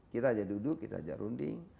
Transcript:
kita ajak duduk kita ajak runding